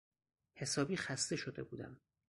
حسابی خسته شده بودم.